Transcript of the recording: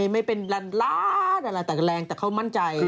ไม่เป็นแระแต่แรงเหมือนเขามั่นใจ